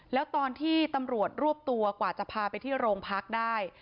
แล้วตอนที่ตำรวจรวบตัวกว่าจะพาไปที่โรงพักได้